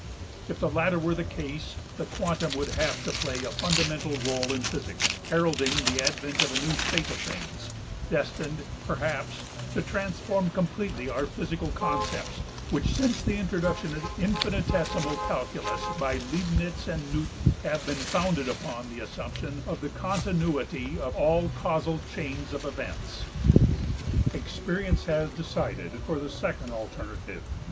If the latter were the case, the quantum would have to play a fundamental r\^{o}le in physics, heralding the advent of a new state of things, destined, perhaps, to transform completely our physical concepts which since the introduction of the infinitesimal calculus by Leibniz and Newton have been founded upon the assumption of the continuity of all causal chains of events. Experience has decided for the second alternative.